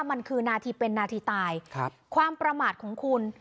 มันคือนาทีเป็นนาทีตายความประมาทของคุณ